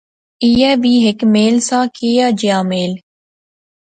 ایہہ وی ہیک میل سا، کیا جیا میل؟